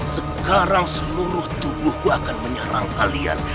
sekarang seluruh tubuhku akan menyerang kalian